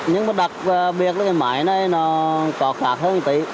nhưng mà đặc biệt là cái máy này nó có khác hơn một tí